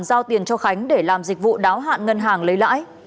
giao tiền cho khánh để làm dịch vụ đáo hạn ngân hàng lấy lãi